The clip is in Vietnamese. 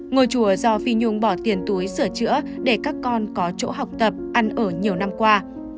ngôi chùa do phi nhung bỏ tiền túi sửa chữa để các con có chỗ học tập ăn ở nhiều năm qua